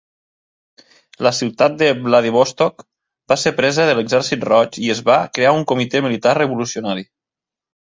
La ciutat de Vladivostok va ser presa per l'Exèrcit Roig i es va crear un Comitè Militar Revolucionari.